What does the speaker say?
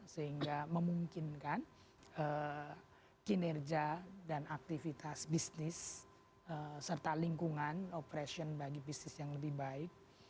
sehingga memungkinkan kinerja dan aktivitas bisnis serta lingkungan operation bagi bisnis yang lebih baik